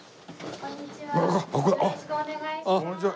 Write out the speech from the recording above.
こんにちは。